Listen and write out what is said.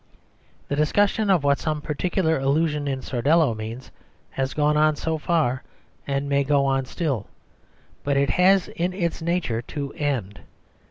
The discussion of what some particular allusion in Sordello means has gone on so far, and may go on still, but it has it in its nature to end.